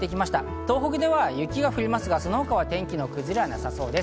東北では雪が降りますが、その他は天気の崩れはなさそうです。